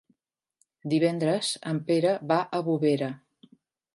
Divendres en Pere va a Bovera.